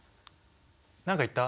何か言った？